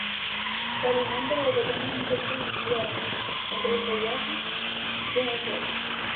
Se alimenta de pequeños insectos y arañas, entre el follaje y en el suelo.